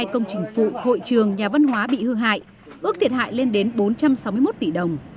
hai mươi công trình phụ hội trường nhà văn hóa bị hư hại ước thiệt hại lên đến bốn trăm sáu mươi một tỷ đồng